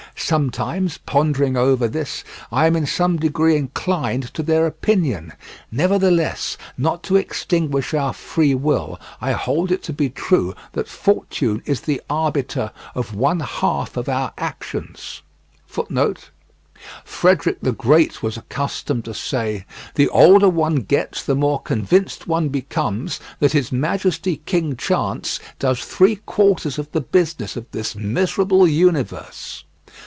Sometimes pondering over this, I am in some degree inclined to their opinion. Nevertheless, not to extinguish our free will, I hold it to be true that Fortune is the arbiter of one half of our actions, but that she still leaves us to direct the other half, or perhaps a little less. Frederick the Great was accustomed to say: "The older one gets the more convinced one becomes that his Majesty King Chance does three quarters of the business of this miserable universe."